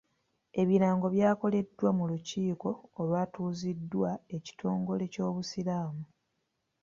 Ebirango byakoleddwa mu lukiiko olwatuuziddwa ekitongole ky'obusiraamu.